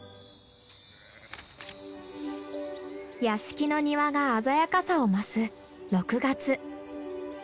屋敷の庭が鮮やかさを増す６月。